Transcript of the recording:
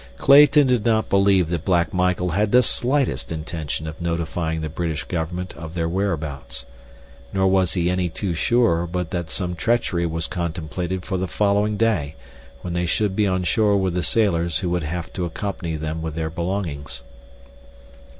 Clayton did not believe that Black Michael had the slightest intention of notifying the British government of their whereabouts, nor was he any too sure but that some treachery was contemplated for the following day when they should be on shore with the sailors who would have to accompany them with their belongings.